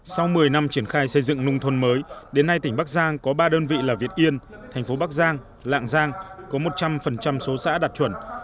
sau một mươi năm triển khai xây dựng nông thôn mới đến nay tỉnh bắc giang có ba đơn vị là việt yên thành phố bắc giang lạng giang có một trăm linh số xã đạt chuẩn